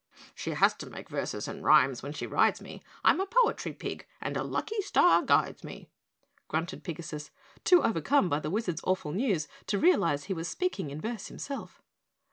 "She has to make verses and rhymes when she rides me I'm a poetry pig and a lucky star guides me!" grunted Pigasus, too overcome by the wizard's awful news to realize he was speaking in verse himself.